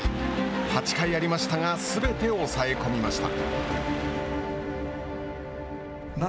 ８回ありましたがすべて抑え込みました。